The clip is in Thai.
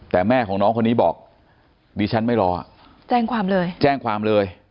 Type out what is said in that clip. แต่แม่ของน้องคนนี้บอกดิฉันไม่รอแจ้งความเลย